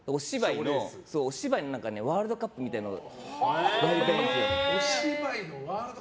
お芝居のワールドカップみたいなのがやりたいんですよ。